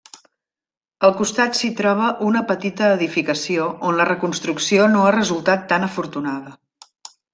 Al costat s'hi troba una petita edificació on la reconstrucció no ha resultat tan afortunada.